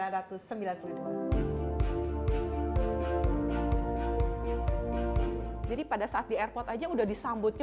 jadi pada saat di airport aja udah disambutnya